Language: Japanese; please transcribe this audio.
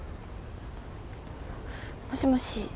もしもし？